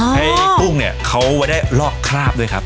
ให้กุ้งเนี่ยเขาได้ลอกคราบด้วยครับ